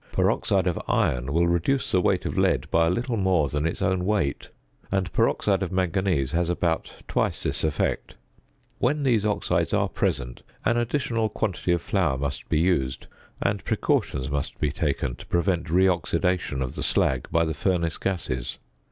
Peroxide of iron will reduce the weight of lead by a little more than its own weight; and peroxide of manganese has about twice this effect. When these oxides are present an additional quantity of flour must be used, and precautions must be taken to prevent reoxidation of the slag by the furnace gases.